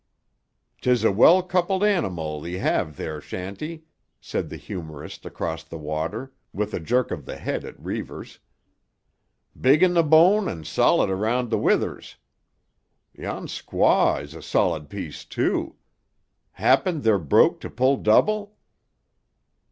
"'Tis a well coupled animal 'ee have there, Shanty," said the humourist across the water, with a jerk of the head at Reivers. "Big in tuh bone and solid around tuh withers. Yon squaw is a solid piece, too. Happen they're broke to pull double?"